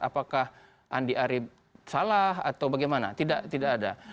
apakah andi arief salah atau bagaimana tidak ada